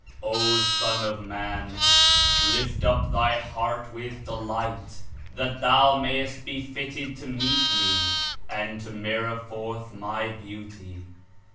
''O Son of Man! Lift up thy heart with delight, that thou mayest he fitted to meet Me and to mirror forth My Beauty.''